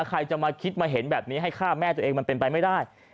ใครจะมาคิดมาเห็นแบบนี้ให้ฆ่าแม่ตัวเองมันเป็นไปไม่ได้